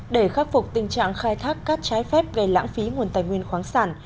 để khắc phục tình trạng khai thác cát trái phép gây lãng phí nguồn tài nguyên khoáng sản